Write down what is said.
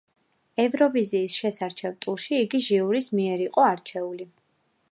ევროვიზიის შესარჩევ ტურში იგი ჟიურის მიერ იყო არჩეული.